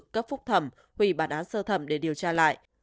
cấp phúc thẩm hủy bản án sơ thẩm để điều tra lại